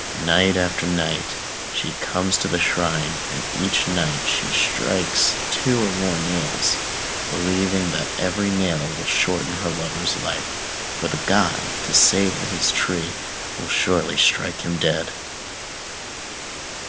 Night after night she comes to the shrine, and each night she strikes in two or more nails, believing that every nail will shorten her lover's life, for the god, to save his tree, will surely strike him dead.